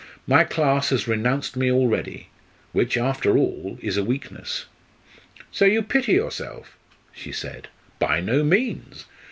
My class has renounced me already which, after all, is a weakness." "So you pity yourself?" she said. "By no means!